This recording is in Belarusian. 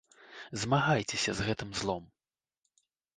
Змагайцеся з гэтым злом.